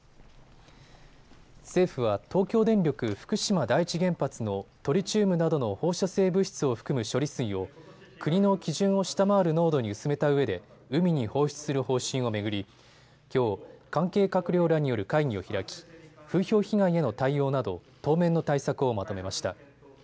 政府は東京電力福島第一原発のトリチウムなどの放射性物質を含む処理水を国の基準を下回る濃度に薄めたうえで海に放出する方針を巡りきょう関係閣僚らによる会議を開き風評被害への対応など当面の対策をまとめました。